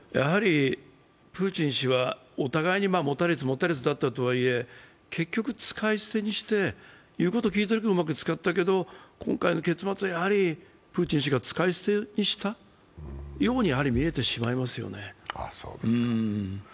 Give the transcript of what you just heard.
そういう意味でも、やはりプーチン氏はお互いに持ちつ持たれつだったとはいえ、結局使い捨てにして、言うことを聞いている分はうまく使っていたけど今回の結末はやはりプーチン氏が使い捨てにしたようにやはり見えてしまいますよね。